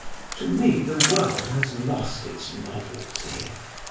To me the world has lost its novelty.